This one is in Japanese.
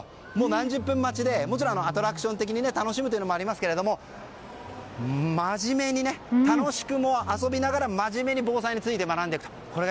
何十分待ちでアトラクション的に楽しむということもありますが楽しく遊びながら遊びながら真面目に防災について学んでいくことが